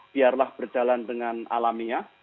biarlah berjalan dengan alamiah